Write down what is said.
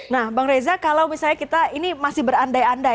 nah bang reza kalau misalnya kita ini masih berandai andai